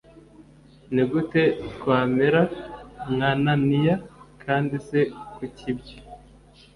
Ni gute twamera nka ananiya kandi se kuki ibyo